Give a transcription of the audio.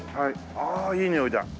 ああいいにおいだ。